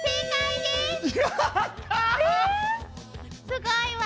⁉すごいわ。